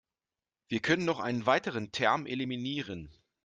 Wir können noch einen weiteren Term eliminieren.